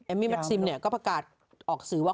เอมมี่มักซิมเนี่ยก็ประกาศออกสื่อว่า